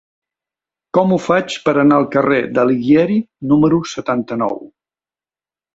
Com ho faig per anar al carrer d'Alighieri número setanta-nou?